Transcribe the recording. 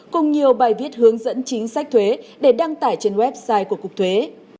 cùng nhiều bài viết hướng dẫn chính sách thuế để đăng tải trên website của cục thuế